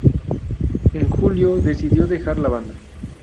En julio, decidió dejar la banda.